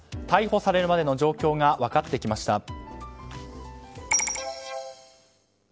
逮捕されるまでの状況が分かってきました。